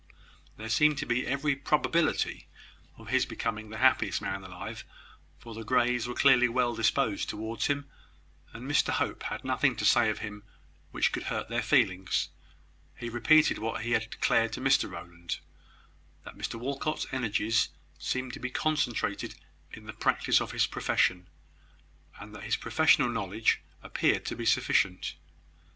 There seemed to be every probability of his becoming the happiest man alive for the Greys were clearly well disposed towards him, and Mr Hope had nothing to say of him which could hurt their feelings. He repeated what he had declared to Mr Rowland that Mr Walcot's energies seemed to be concentrated in the practice of his profession, and that his professional knowledge appeared to be sufficient.